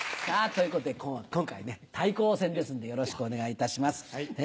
さぁということで今回は対抗戦ですのでよろしくお願いいたします。